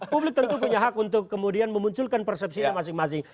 publik tentu punya hak untuk kemudian memunculkan persepsinya masing masing